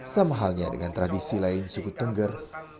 sama halnya dengan tradisi lain suku tengger